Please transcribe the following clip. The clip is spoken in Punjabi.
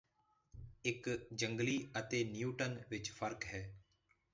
ਇੱਕ ਜਾਂਗਲੀ ਅਤੇ ਨਿਊਟਨ ਵਿੱਚ ਫ਼ਰਕ ਹੈ